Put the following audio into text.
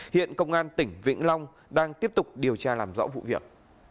hiện công an tỉnh vĩnh long đang tiếp tục điều tra làm rõ vụ việc